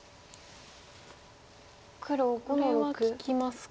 これは利きますか？